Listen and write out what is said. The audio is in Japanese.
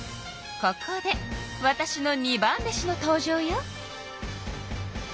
ここでわたしの二番弟子の登場よ。